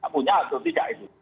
punya atau tidak itu